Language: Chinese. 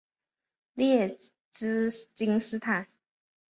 列兹金斯坦。